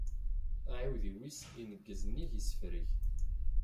Aεidiw-is ineggez nnig isefreg.